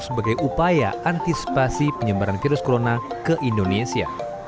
sebagai upaya antisipasi penyebaran virus corona ke indonesia